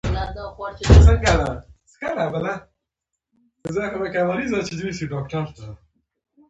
په افغانستان کې د بولان پټي شتون لري.